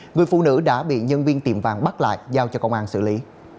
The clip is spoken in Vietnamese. người phụ nữ đã bị nhân viên tiệm vàng bắt lại giao cho công an xử lý